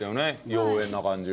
妖艶な感じを。